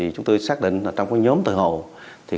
chúng tôi xác định trong nhóm thợ hồ